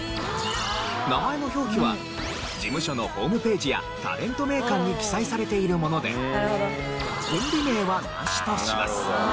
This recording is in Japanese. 名前の表記は事務所のホームページや『タレント名鑑』に記載されているものでコンビ名はなしとします。